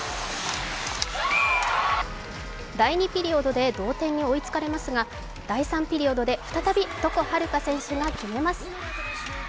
第２ピリオドで同点に追いつかれますが、第３ピリオドで床秦留可選手が決めます。